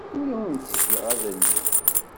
Ur awent-ttgeɣ adellel.